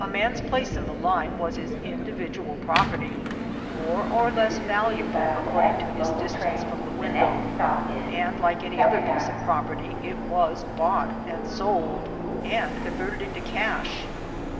A man's place in the line was his individual prop erty, more or less valuable according to his distance from the window, and, like any other piece of prop erty, it was bought and sold, and converted into cash.